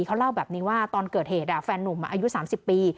เขาเล่าแบบนี้ว่าตอนเกิดเหตุแฟนนุ่มอายุ๓๐ปี